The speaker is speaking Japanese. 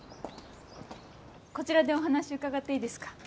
こちらでお話伺っていいですか？